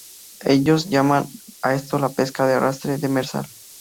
Ellos llaman a esto la pesca de arrastre demersal.